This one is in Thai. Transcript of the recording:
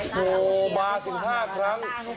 โทรมาถึง๕ครั้ง